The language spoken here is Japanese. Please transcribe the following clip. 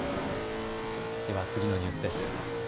では次のニュースです。